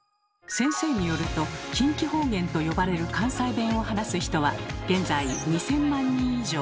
先生によると「近畿方言」と呼ばれる関西弁を話す人は現在２，０００万人以上。